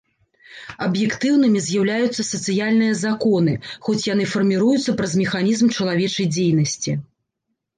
Аб'ектыўнымі з'яўляюцца сацыяльныя законы, хоць яны фарміруюцца праз механізм чалавечай дзейнасці.